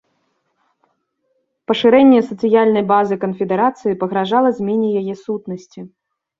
Пашырэнне сацыяльнай базы канфедэрацыі пагражала змене яе сутнасці.